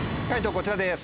こちらです！